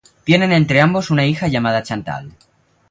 Tienen entre ambos una hija llamada Chantal.